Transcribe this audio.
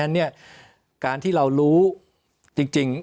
เราก็รู้จริง